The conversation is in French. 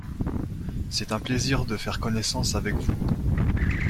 C’est un plaisir de faire connaissance avec vous.